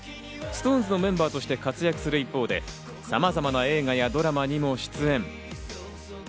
ＳｉｘＴＯＮＥＳのメンバーとして活躍する一方で、様々な映画やドラマにも出演。